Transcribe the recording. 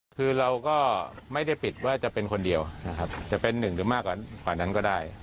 คือเราก็ไม่ได้ปิดว่าจะเป็นคนเดียวนะครับจะเป็นหนึ่งหรือมากกว่านั้นก็ได้